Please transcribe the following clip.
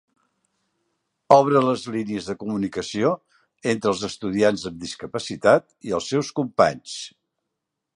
Obre les línies de comunicació entre els estudiants amb discapacitat i els seus companys.